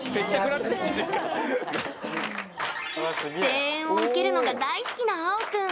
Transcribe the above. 声援を受けるのが大好きなあお君。